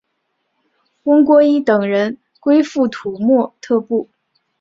翁郭依等人归附土默特部。